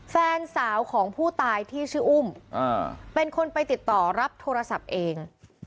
แฟนสาวของผู้ตายที่ชื่ออุ้มเป็นคนไปติดต่อรับโทรศัพท์เอง